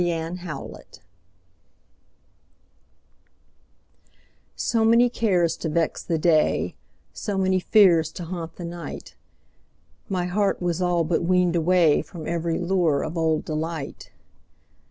Summer Magic SO many cares to vex the day, So many fears to haunt the night, My heart was all but weaned awayFrom every lure of old delight.